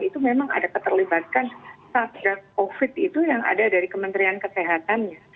itu memang ada keterlibatan satgas covid itu yang ada dari kementerian kesehatannya